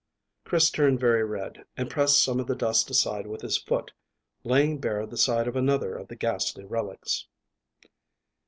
Chris turned very red, and pressed some of the dust aside with his foot, laying bare the side of another of the ghastly relics.